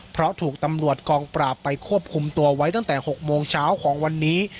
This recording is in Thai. เพราะถูกตำรวจกองปราบไปควบคุมตัวไว้ตั้งแต่๖โมงเช้าของวันนี้